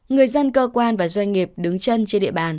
người dân cơ quan và doanh nghiệp đứng chân trên địa bàn